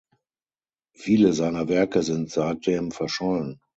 Viele seiner Werke sind seitdem verschollen.